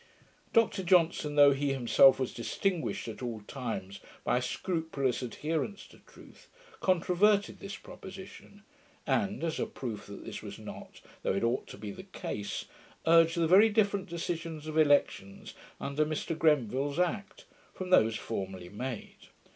Dr Johnson, though he himself was distinguished at all times by a scrupulous adherence to truth, controverted this proposition; and, as a proof that this was not, though it ought to be, the case, urged the very different decisions of elections under Mr Greville's Act, from those formerly made.